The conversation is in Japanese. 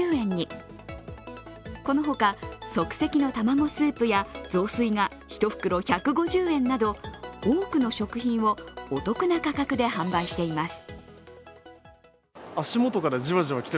この他、即席のたまごスープや雑炊が１袋１５０円など多くの食品をお得な価格で販売しています。